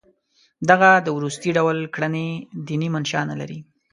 دغه د وروستي ډول کړنې دیني منشأ نه لري.